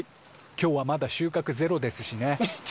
今日はまだ収かくゼロですしね。